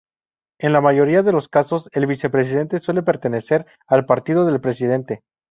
En la mayoría de los casos el vicepresidente suele pertenecer al partido del presidente.